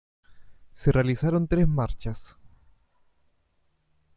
Se realizaron tres marchas.